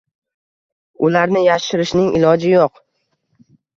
ularni yashirishning iloji yo‘q